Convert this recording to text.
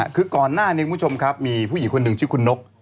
คือก่อนหน้านี้คุณผู้ชมครับมีผู้หญิงคนหนึ่งชื่อคุณนก